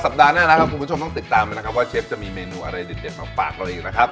คุณผู้ชมต้องติดตามไปนะครับว่าเชฟจะมีเมนูอะไรเด็ดของปากเราอีกนะครับ